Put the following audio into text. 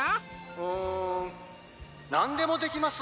うんなんでもできます。